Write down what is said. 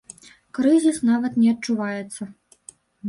Крызіс нават не адчуваецца.